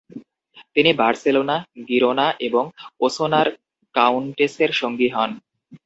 তিনি Barcelona, Girona এবং ওসোনার কাউন্টেসের সঙ্গী হন।